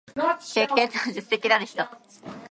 経験と実績のある人